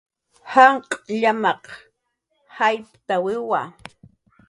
Janq' llamaq jayptawiwa